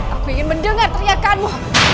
aku ingin mendengar teriakanmu